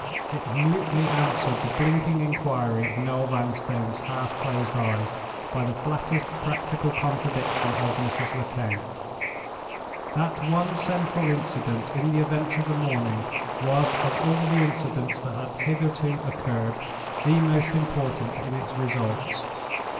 It mutely answered the blinking inquiry of Noel Vanstone's half closed eyes by the flattest practical contradiction of Mrs. Lecount. That one central incident in the events of the morning was of all the incidents that had hitherto occurred, the most important in its results.